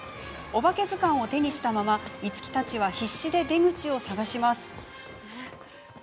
「おばけずかん」を手にしたまま一樹たちは必死で出口を探します。